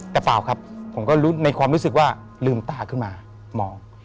แต่เปล่าครับผมก็รู้ในความรู้สึกว่าลืมตาขึ้นมามอง